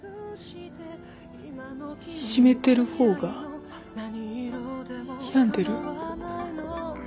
いじめてる方が病んでる？